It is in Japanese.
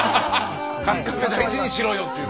春日部大事にしろよっていうね。